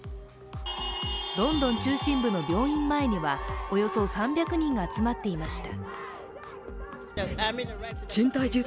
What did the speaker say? ロンドン中心部の病院前にはおよそ３００人が集まっていました。